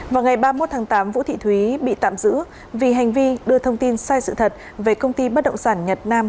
vào ngày ba mươi một tháng tám vũ thị thúy bị tạm giữ vì hành vi đưa thông tin sai sự thật về công ty bất động sản nhật nam